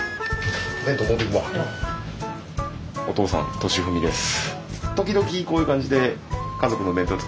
お父さん俊文です。